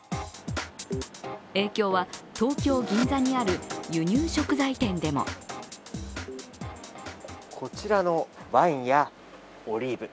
影響は東京・銀座にある輸入食材店でもこちらのワインやオリーブ